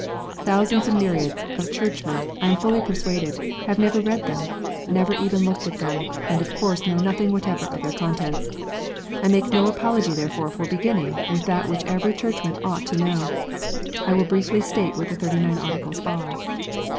Thousands and myriads of Churchmen, I am fully persuaded, have never read them, never even looked at them, and of course know nothing whatever of their contents. I make no apology therefore for beginning with that which every Churchman ought to know. I will briefly state what the Thirty nine Articles are.